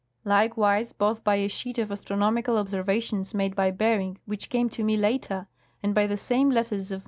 Likewise, both by a sheet of astronomical observations made by Bering which came to me later, and by the same letters of M.